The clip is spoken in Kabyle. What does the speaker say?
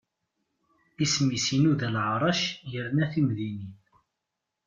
Isem-is inuda leɛrac, yerna timdinin.